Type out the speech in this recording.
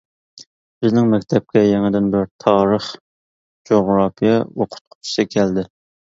بىزنىڭ مەكتەپكە يېڭىدىن بىر تارىخ، جۇغراپىيە ئوقۇتقۇچىسى كەلدى.